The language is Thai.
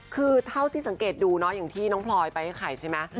คือเท่าที่สังเกตดูเนาะอย่างที่น้องพลอยไปให้ไข่ใช่ไหม